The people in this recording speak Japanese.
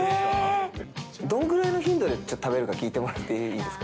どのくらいの頻度でちょっと食べるか聞いてもらっていいですか。